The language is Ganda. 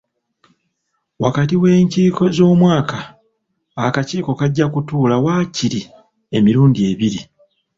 Wakati w'enkiiko z'omwaka, akakiiko kajja kutuula waakiri emirundi ebiri.